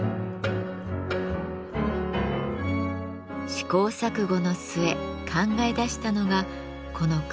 試行錯誤の末考え出したのがこの燻製機。